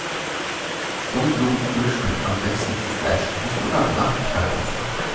Sonnenblumenöl schmeckt am besten zu Fleischgerichten oder Bratkartoffeln.